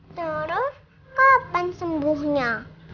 terus kapan sembuhnya